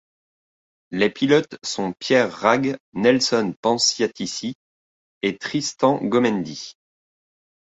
Les pilotes sont Pierre Ragues, Nelson Panciatici et Tristan Gommendy.